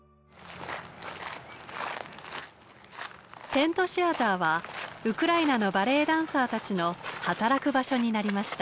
テントシアターはウクライナのバレエダンサーたちの働く場所になりました。